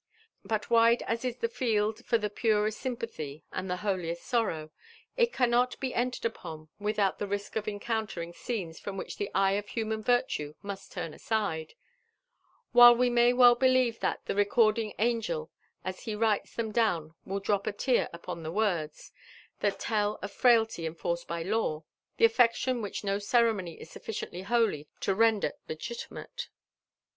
But wide as is the field for the purest ^sympathy and the holiest sorrow, it cannot be entered upon without \he risk ofencoufllering scenes from which the eye of human virtue must turn aside} while we may well believe that *' the recording angel as he writes them down will drop a tear upon the words" that tell of frailty ^forced by law, and affection which no ceremony is sufficiently holy Ho render legitimate.